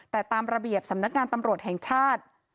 แต่ตามระเบียบสำนักงานตำรวจแห่งชาติ